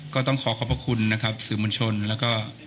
ก็ต้องขอขอบพระคุณนะครับสื่อมวลชนแล้วก็